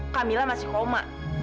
kamila masih koma